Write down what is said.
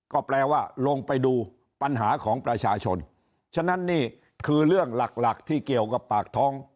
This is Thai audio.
ก็แปลว่าลงไปดูปัญหาของประชาชนฉะนั้นนี่คือเรื่องหลักหลักที่เกี่ยวกับปากท้อง